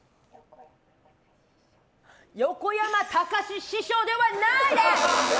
横山たかし師匠ではないです！